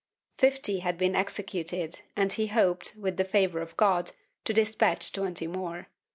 Fifty had been executed and he hoped, with the favor of God to despatch twenty more.